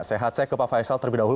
sehat saya ke pak faisal terlebih dahulu